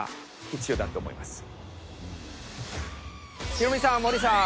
ヒロミさん森さん